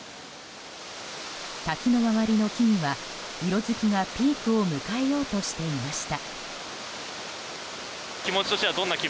滝の周りの木々は色づきがピークを迎えようとしていました。